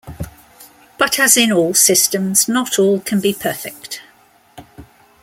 But as in all systems, not all can be perfect.